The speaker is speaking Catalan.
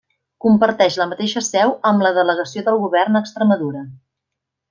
Comparteix la mateixa seu amb la Delegació del Govern a Extremadura.